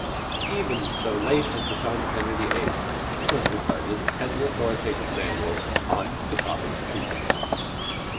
Even so late as the time of Henry VIII it was regarded as an authoritative manual on the topics treated.